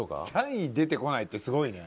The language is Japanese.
３位出てこないってすごいね。